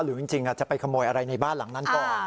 จริงจะไปขโมยอะไรในบ้านหลังนั้นก่อน